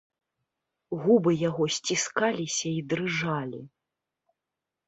Губы яго сціскаліся і дрыжалі.